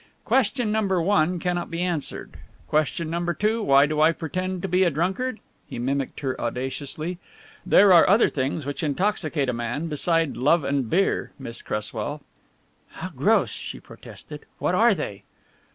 "Question number one cannot be answered. Question number two, why do I pretend to be a a drunkard?" he mimicked her audaciously. "There are other things which intoxicate a man beside love and beer, Miss Cresswell." "How gross!" she protested. "What are they?"